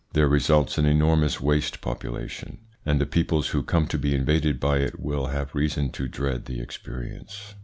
There results an enormous waste population, and the peoples who come to be invaded by it will have reason to dread the experience.